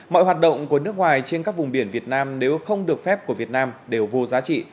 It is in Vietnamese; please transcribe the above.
mọi hoạt động của nước ngoài trên các vùng biển việt nam nếu không được phép của việt nam đều vô giá trị